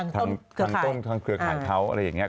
ทางต้นทางเครือข่ายเขาอะไรอย่างนี้